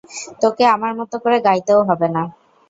তোকে আমার মতো করে গাইতেও হবে না।